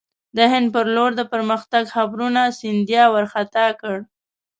د هند پر لور د پرمختګ خبرونو سیندیا وارخطا کړ.